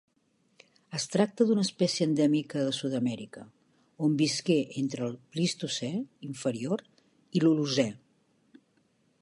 Es tracta d'una espècie endèmica de Sud-amèrica, on visqué entre el Plistocè inferior i l'Holocè.